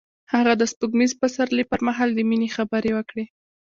هغه د سپوږمیز پسرلی پر مهال د مینې خبرې وکړې.